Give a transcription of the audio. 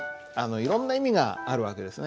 いろんな意味がある訳ですね。